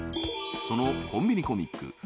そのコンビニコミック